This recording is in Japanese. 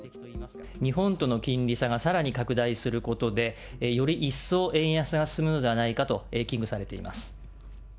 日本との金利差がさらに拡大することで、より一層、円安が進むのではないかと危惧されています。